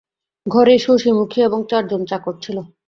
ঘরে শশিমুখী এবং একজন চাকর ছিল।